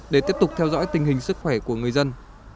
để tiếp tục theo dõi tình hình sức khỏe của người dân